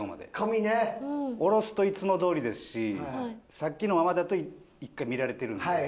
下ろすといつもどおりですしさっきのままだと１回見られてるんで。